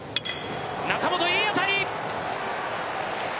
中本、いい当たり！